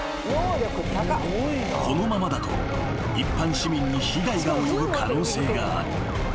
［このままだと一般市民に被害が及ぶ可能性がある］